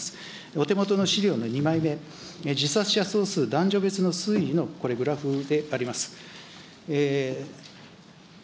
お手元の資料の２枚目、自殺者総数男女別の推移のこれ、グラフであります。